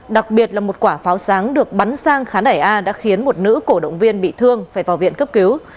đặc biệt là một quả pháo sáng được bắn sang khán ưa đã khiến một nữ cổ động viên bị thương phải vào viện cấp cứu